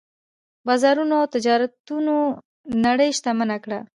بازارونو او تجارتونو نړۍ شتمنه کړه.